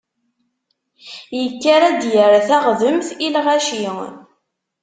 Yekker ad d-yerr taɣdemt i lɣaci.